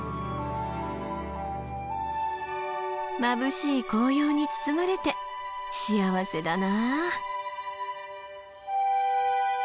まぶしい紅葉に包まれて幸せだな。